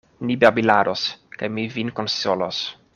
Ni babilados, kaj mi vin konsolos.